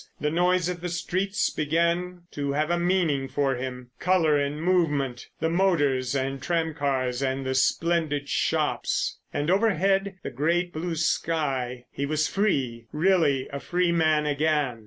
The noise of the streets began to have a meaning for him: colour and movement. The motors and tram cars and the splendid shops. And, overhead, the great blue sky. He was free, really a free man again.